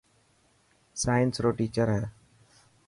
سائنس رو ٽيچر هي.